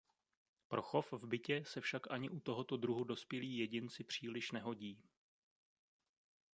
Pro chov v bytě se však ani u tohoto druhu dospělí jedinci příliš nehodí.